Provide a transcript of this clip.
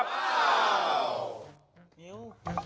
นิ้ว